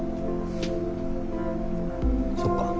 そっか。